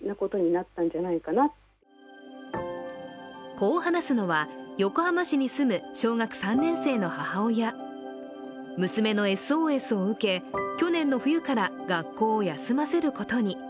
こう話すのは、横浜市に住む小学３年生の母親娘のＳＯＳを受け、去年の冬から学校を休ませることに。